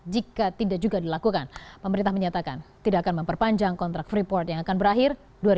jika tidak juga dilakukan pemerintah menyatakan tidak akan memperpanjang kontrak freeport yang akan berakhir dua ribu dua puluh